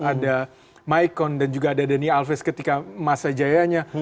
ada mikon dan juga ada dania alves ketika masa jayanya